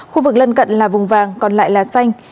khu vực lân cận là vùng vàng còn lại là xanh